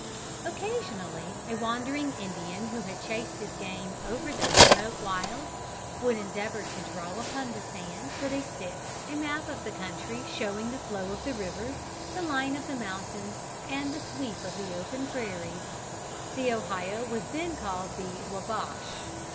Occasionally a wandering Indian who had chased his game over those remote wilds, would endeavor to draw upon the sand, with a stick, a map of the country showing the flow of the rivers, the line of the mountains, and the sweep of the open prairies. The Ohio was then called the Wabash.